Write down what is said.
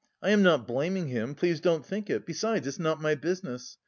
I am not blaming him, please don't think it; besides, it's not my business.